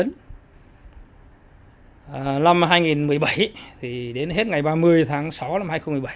năm hai nghìn một mươi bảy thì đến hết ngày ba mươi tháng sáu năm hai nghìn một mươi bảy